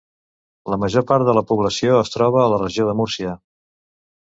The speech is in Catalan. La major part de la població es troba a la Regió de Múrcia.